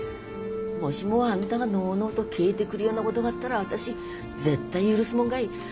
「もしもあんたがのうのうと帰ってくるようなことがあったら私絶対許すもんかい。